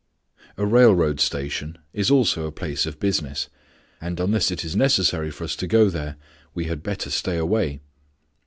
A railroad station is also a place of business, and unless it is necessary for us to go there, we had better stay away.